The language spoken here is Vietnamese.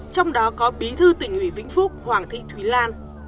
trong đó có bí thư tỉnh ủy vĩnh phúc hoàng thị thúy lan